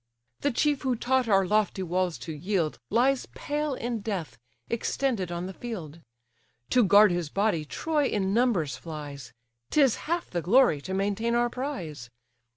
The chief who taught our lofty walls to yield, Lies pale in death, extended on the field. To guard his body Troy in numbers flies; 'Tis half the glory to maintain our prize.